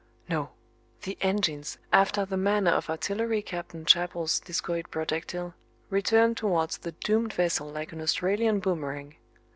No! the engines, after the manner of Artillery Captain Chapel's discoid projectile, return towards the doomed vessel like an Australian boomerang.